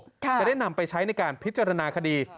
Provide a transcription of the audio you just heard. จะได้นำไปใช้ในการพิจารณาคดี